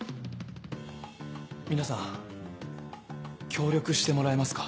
皆さん協力してもらえますか？